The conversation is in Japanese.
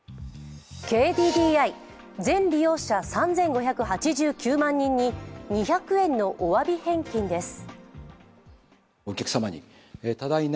ＫＤＤＩ、全利用者３２８９万人に２００円のおわび返金です。